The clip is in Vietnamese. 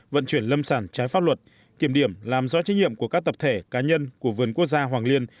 vận chuyển lâm sản trái pháp luật kiểm điểm làm rõ trách nhiệm của các tập thể cá nhân của vườn quốc gia hoàng liên